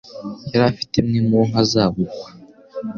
Yari afite imwe mu nka azagukwa.